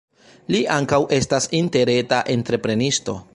Li ankaŭ estas interreta entreprenisto.